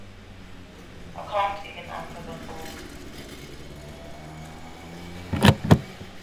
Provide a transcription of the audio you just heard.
I can't even answer the phone.